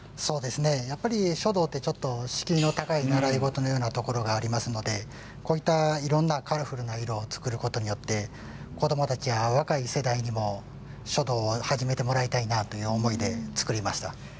やっぱり書道って敷居の高い習い事のようなところがありますのでこういったいろんなカラフルな色を作ることによって子どもたちや若い世代にも書道を始めてもらいたいなという思いで作りました。